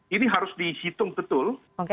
ini harus dihitung betul